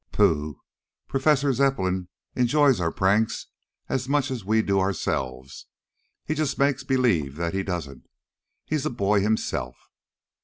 "Pooh! Professor Zepplin enjoys our pranks as much as do we ourselves. He just makes believe that he doesn't. He's a boy himself."